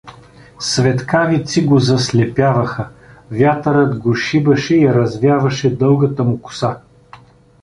Светкавици го заслепяваха, вятърът го шибаше и развяваше дългата му коса.